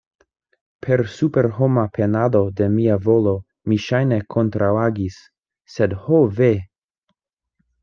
Per superhoma penado de mia volo mi ŝajne kontraŭagis, sed ho ve!